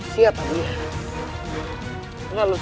siapa perempuan itu